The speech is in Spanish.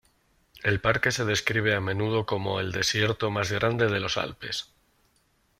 El parque se describe a menudo como "el desierto más grande de los Alpes".